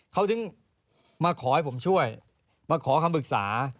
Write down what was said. เขาถึงมาขอให้ผมช่วยมาขอคำปรึกษา